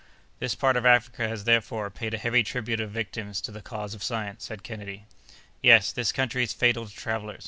"This part of Africa has, therefore, paid a heavy tribute of victims to the cause of science," said Kennedy. "Yes, this country is fatal to travellers.